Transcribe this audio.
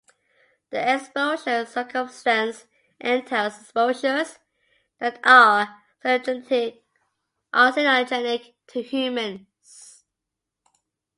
The exposure circumstance entails exposures that are carcinogenic to humans.